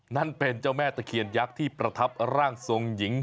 นั่นเป็นเจ้าแม่ตะเคียนยักษ์ที่ประทับร่างทรงหญิง